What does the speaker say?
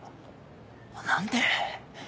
何で？